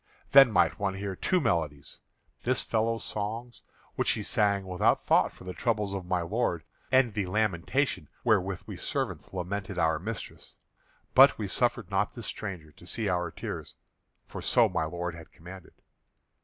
Then might one hear two melodies, this fellow's songs, which he sang without thought for the troubles of my lord and the lamentation wherewith we servants lamented our mistress. But we suffered not this stranger to see our tears, for so my lord had commanded.